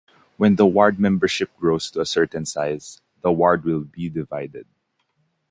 When the ward membership grows to a certain size, the ward will be divided.